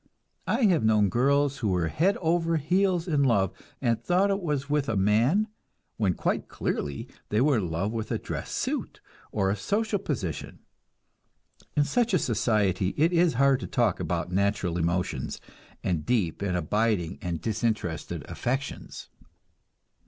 I have known girls who were "head over heels" in love, and thought it was with a man, when quite clearly they were in love with a dress suit or a social position. In such a society it is hard to talk about natural emotions, and deep and abiding and disinterested affections.